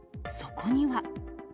そこには。